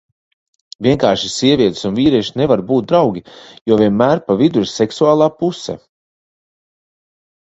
Vienkārši sievietes un vīrieši nevar būt draugi, jo vienmēr pa vidu ir seksuālā puse.